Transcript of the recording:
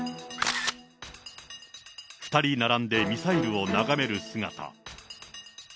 ２人並んでミサイルを眺める姿。